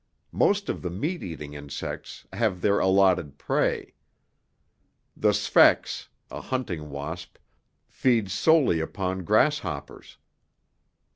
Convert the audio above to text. Most of the meat eating insects have their allotted prey. The sphex a hunting wasp feeds solely upon grasshoppers.